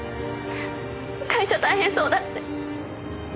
会社大変そうだって。